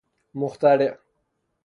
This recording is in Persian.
مخترع